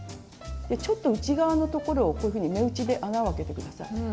ちょっと内側のところをこういうふうに目打ちで穴をあけて下さい。